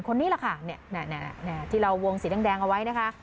คนนี้แหละค่ะที่เราวงสีแดงเอาไว้นะคะ